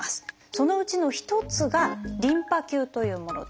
そのうちの一つがリンパ球というものです。